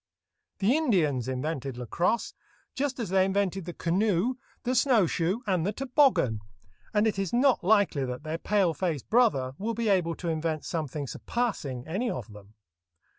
The Indians invented lacrosse, just as they invented the canoe, the snow shoe, and the toboggan, and it is not likely that their pale face brother will be able to invent something surpassing any of them.